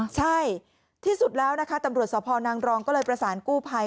ใช่ที่สุดแล้วนะคะตำรวจสพนางรองก็เลยประสานกู้ภัย